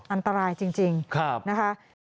อันตรายจริงนะคะ